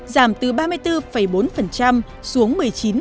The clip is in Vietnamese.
giảm từ ba mươi bốn bốn xuống một mươi chín